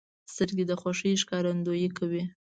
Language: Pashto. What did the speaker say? سترګې د خوښۍ ښکارندویي کوي